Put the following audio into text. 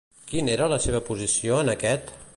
Quina era la seva posició en aquest?